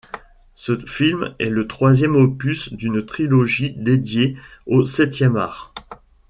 Ce film est le troisième opus d'une trilogie dédiée au septième art.